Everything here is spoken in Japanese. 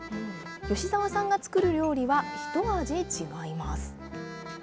吉澤さんが作る料理は一味違います。